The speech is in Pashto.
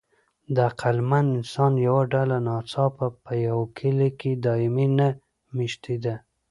د عقلمن انسان یوه ډله ناڅاپه په یوه کلي کې دایمي نه مېشتېده.